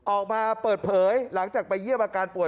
ออกมาเปิดเผยหลังจากไปเยี่ยมอาการป่วย